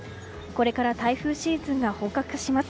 これから台風シーズンが本格化します。